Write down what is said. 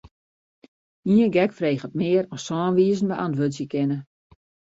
Ien gek freget mear as sân wizen beäntwurdzje kinne.